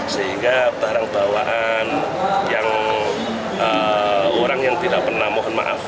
sehingga barang bawaan yang orang yang tidak pernah mohon maaf